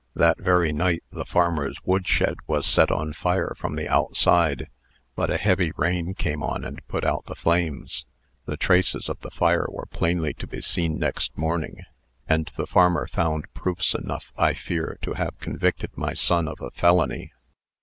That very night the farmer's wood shed was set on fire from the outside; but a heavy rain came on, and put out the flames. The traces of the fire were plainly to be seen next morning; and the farmer found proofs enough, I fear, to have convicted my son of a felony.